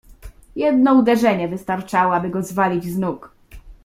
"Jedno uderzenie wystarczało, aby go zwalić z nóg."